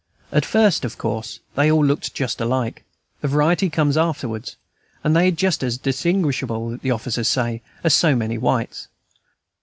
At first, of course, they all looked just alike; the variety comes afterwards, and they are just as distinguishable, the officers say, as so many whites.